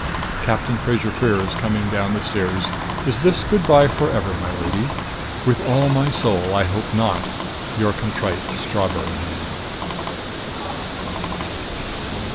Captain Fraser Freer is coming down the stairs. Is this good by forever, my lady? With all my soul, I hope not. YOUR CONTRITE STRAWBERRY MAN.